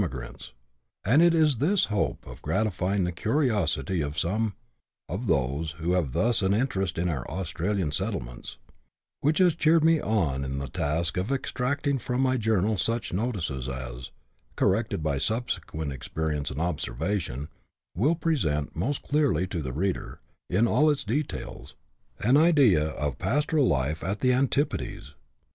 grants ; and it is the hope of gratifying the curiosity of some of those who have thus an interest in our Australian settlements, which has cheered me on in the task of extracting from my journal such notices as, corrected by subsequent experience and observation, will present most clearly to the reader, in all its details, an idea of pastoral life at the antipodes.